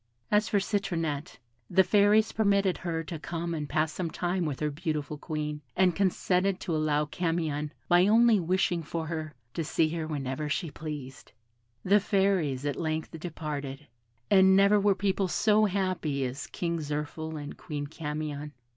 As for Citronette, the Fairies permitted her to come and pass some time with her beautiful Queen, and consented to allow Camion, by only wishing for her, to see her whenever she pleased. The Fairies at length departed, and never were people so happy as King Zirphil and Queen Camion.